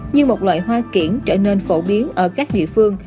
như một loại hoa kiển trở nên phổ biến ở các địa phương